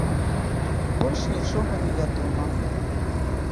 Больш нічога не вядома.